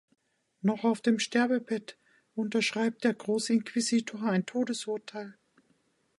Noch auf dem Sterbebett unterschreibt der Großinquisitor ein Todesurteil.